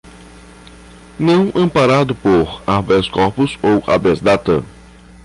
não amparado por "habeas-corpus" ou "habeas-data"